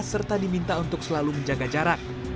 serta diminta untuk selalu menjaga jarak